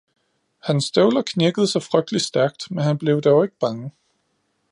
Hans støvler knirkede så frygtelig stærkt, men han blev dog ikke bange